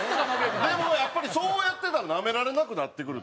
でもやっぱりそうやってたらナメられなくなってくるというか。